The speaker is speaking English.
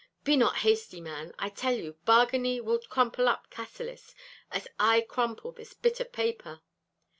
Be not hasty, man. I tell you Bargany will crumple up Cassillis as I crumple this bit of paper.